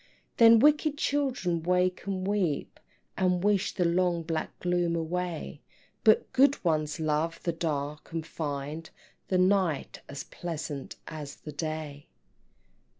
Then wicked children wake and weep, And wish the long black gloom away; But good ones love the dark, and find The night as pleasant as the day.